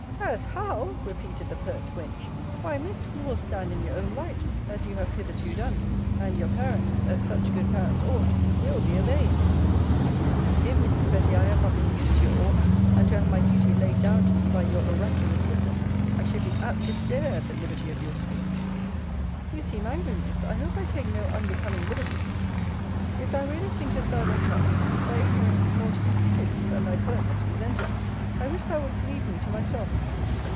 As how! repeated the pert wench, Why, Miss, you will stand in your own light, as you have hitherto done: and your parents, as such good parents ought, will be obeyed. If, Mrs. Betty, I had not been used to your oughts, and to have my duty laid down to me by your oraculous wisdom I should be apt to stare at the liberty of you speech. You seem angry, Miss. I hope I take no unbecoming liberty. If thou really thinkest thou dost not, thy ignorance is more to be pitied, than thy pertness resented. I wish thou wouldst leave me to myself.